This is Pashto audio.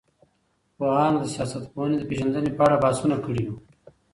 پوهانو د سياست پوهني د پېژندني په اړه بحثونه کړي وو.